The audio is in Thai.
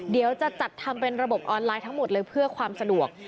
เดี๋ยวจะจัดทำเป็นระบบออนไลน์ทั้งหมดเลยเพื่อความสะดวก